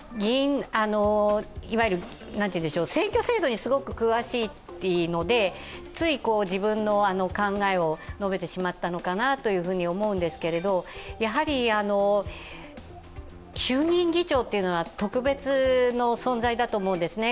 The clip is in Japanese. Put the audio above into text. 選挙制度にすごく詳しいのでつい自分の考えを述べてしまったのかなと思うんですけれども、衆院議長というのは特別な存在だと思うんですね。